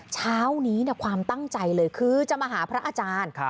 เช้านี้ความตั้งใจเลยคือจะมาหาพระอาจารย์